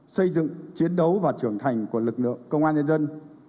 xây dựng chiến đấu và trưởng thành của lực lượng công an nhân dân